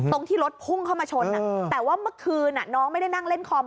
ตรงที่รถพุ่งเข้ามาชนแต่ว่าเมื่อคืนน้องไม่ได้นั่งเล่นคอม